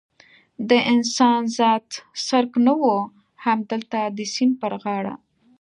د انسان ذات څرک نه و، همدلته د سیند پر غاړه.